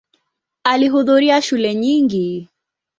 Alihudhuria shule nyingi.